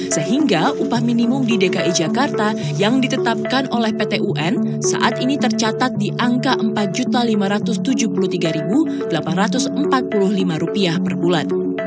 sehingga upah minimum di dki jakarta yang ditetapkan oleh pt un saat ini tercatat di angka rp empat lima ratus tujuh puluh tiga delapan ratus empat puluh lima per bulan